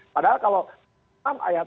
padahal kalau ayat